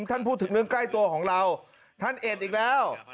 ท่านพูดถึงเรื่องใกล้ตัวของเราท่านเอ็ดอีกแล้ว